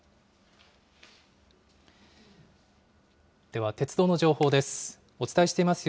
では、鉄道の情報です。